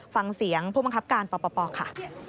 ฟังเสียงผู้บังคับการปปค่ะ